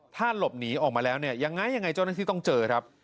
ถ้าหลบหนีออกมาแล้วเนี่ยยังไงยังไงเจ้าหน้าที่ต้องเจอครับ